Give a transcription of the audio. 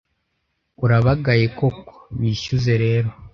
urabagaye koko bishyuze rero